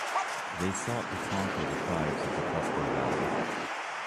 They sought to conquer the tribes of the Cusco Valley.